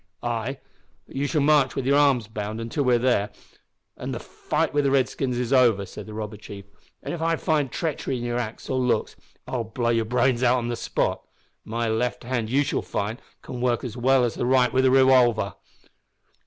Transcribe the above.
"Ay, but you shall march with your arms bound until we are there, and the fight wi' the redskins is over," said the robber chief, "and if I find treachery in your acts or looks I'll blow your brains out on the spot. My left hand, you shall find, can work as well as the right wi' the revolver."